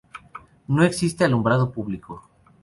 No existe alumbrado público.